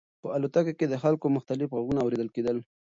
په الوتکه کې د خلکو مختلف غږونه اورېدل کېدل.